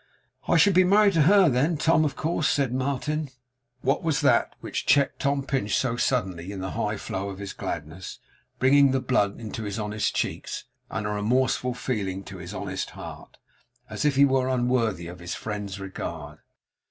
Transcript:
'I should be married to her then, Tom, of course,' said Martin. What was that which checked Tom Pinch so suddenly, in the high flow of his gladness; bringing the blood into his honest cheeks, and a remorseful feeling to his honest heart, as if he were unworthy of his friend's regard?